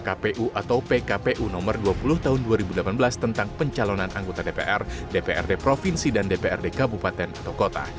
kpu atau pkpu nomor dua puluh tahun dua ribu delapan belas tentang pencalonan anggota dpr dprd provinsi dan dprd kabupaten atau kota